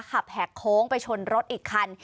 แหกโค้งไปชนรถอีกคัน